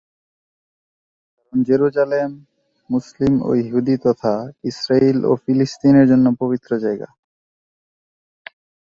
কারণ জেরুজালেম, মুসলিম ও ইহুদি তথা ইসরাইল ও ফিলিস্তিনিদের জন্য পবিত্র জায়গা।